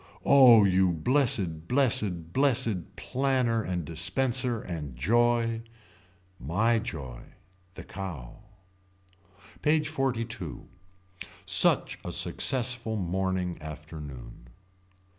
Oh you blessed blessed blessed planner and dispenser and joy. My joy. The Cow. PAGE XLII. Such a successful morning afternoon.